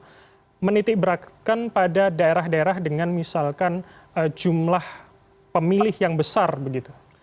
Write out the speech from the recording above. diterapkan pada daerah daerah dengan misalkan jumlah pemilih yang besar begitu